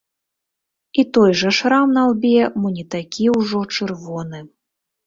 І той жа шрам на лбе, мо не такі ўжо чырвоны.